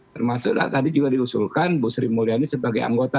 termasuk tadi juga diusulkan bu sri mulyani sebagai anggota